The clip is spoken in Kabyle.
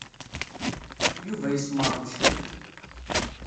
Yuba yesmeṛmec-d.